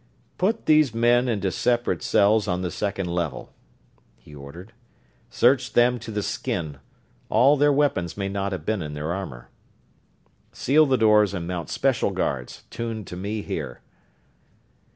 "Put these men into separate cells on the second level," he ordered. "Search them to the skin: all their weapons may not have been in their armor. Seal the doors and mount special guards, tuned to me here."